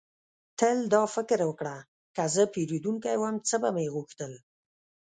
تل دا فکر وکړه: که زه پیرودونکی وم، څه به مې غوښتل؟